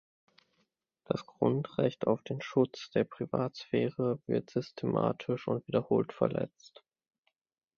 Das Grundrecht auf den Schutz der Privatsphäre wird systematisch und wiederholt verletzt.